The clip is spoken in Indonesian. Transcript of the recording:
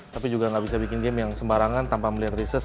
tapi juga nggak bisa bikin game yang sembarangan tanpa melihat research